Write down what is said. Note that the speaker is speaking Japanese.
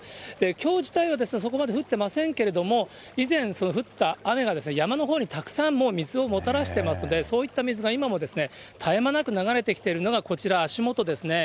きょう自体はそこまで降ってませんけれども、以前降った雨が山のほうにたくさんもう水をもたらしてますんで、そういった水が今も絶え間なく流れてきているのが、こちら足元ですね。